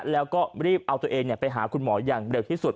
แล้วก็รีบเอาตัวเองไปหาคุณหมออย่างเร็วที่สุด